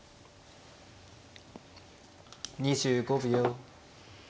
２５秒。